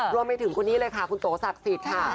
รวมไปถึงคนนี้เลยค่ะคุณโตศักดิ์สิทธิ์ค่ะ